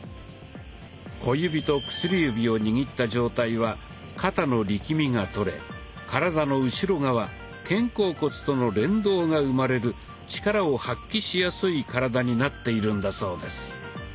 小指と薬指を握った状態は肩の力みがとれ体の後ろ側・肩甲骨との連動が生まれる力を発揮しやすい体になっているんだそうです。